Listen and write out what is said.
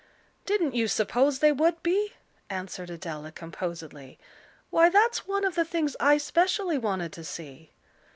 "Didn't you suppose they would be?" answered Adela, composedly. "Why, that's one of the things I specially wanted to see."